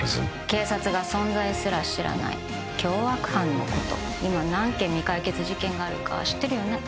警察が存在すら知らない凶悪犯のこと今何件未解決事件があるか知ってるよね？